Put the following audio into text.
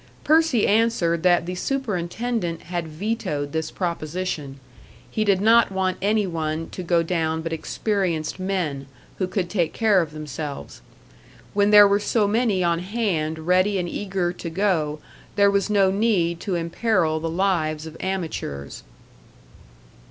Percy answered that the superintendent had vetoed this proposition he did not want any one to go down but experienced men, who could take care of themselves. When there were so many on hand ready and eager to go, there was no need to imperil the lives of amateurs.